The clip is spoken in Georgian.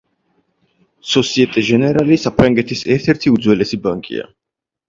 სოსიეტე ჟენერალი საფრანგეთის ერთ-ერთი უძველესი ბანკია.